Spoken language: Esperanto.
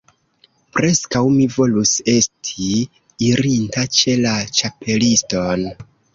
Preskaŭ mi volus esti irinta ĉe la Ĉapeliston.